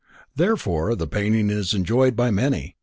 Therefore the painting is enjoyed by many.